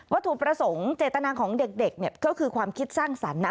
ถูกประสงค์เจตนาของเด็กก็คือความคิดสร้างสรรค์นะ